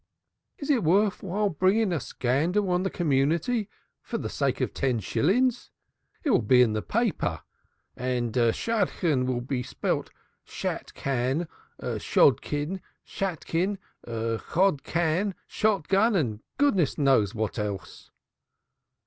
"Is it worth while bringing a scandal on the community for the sake of ten shillings? It will be in all the papers, and Shadchan will be spelt shatcan, shodkin, shatkin, chodcan, shotgun, and goodness knows what else."